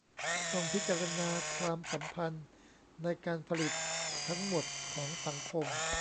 ต้องพิจารณาความสัมพันธ์ในการผลิตทั้งหมดของสังคม